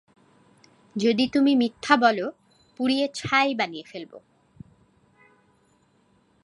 যদি তুমি মিথ্যা বলো, পুড়িয়ে ছাই বানিয়ে ফেলব!